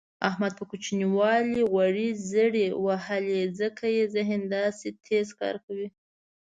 احمد په کوچینوالي غوړې زېړې وهلي ځکه یې ذهن داسې تېز کار کوي.